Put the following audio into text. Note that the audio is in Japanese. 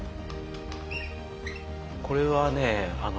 これはね